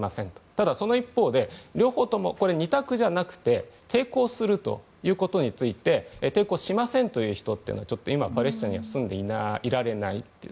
ただ、その一方で両方とも２択じゃなくて抵抗するということについて抵抗しませんという人は今、パレスチナに住んでいられないという。